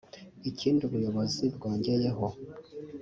Ikindi ubuyobozi bwongeyeho